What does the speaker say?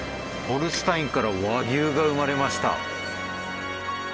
ホルスタインから和牛が生まれました。